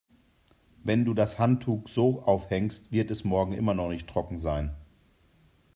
Wenn du das Handtuch so aufhängst, wird es morgen immer noch nicht trocken sein.